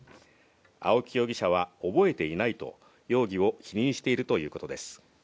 青木容疑者は覚えていないと、容疑を否認しているということです。